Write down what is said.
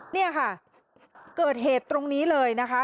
นี่ค่ะเกิดเหตุตรงนี้เลยนะคะ